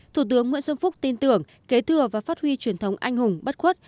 thủ tướng nguyễn xuân phúc tin tưởng kế thừa và phát huy truyền thống anh hùng bất khuất